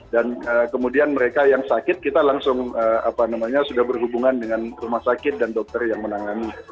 dan kemudian mereka yang sakit kita langsung sudah berhubungan dengan rumah sakit dan dokter yang menangani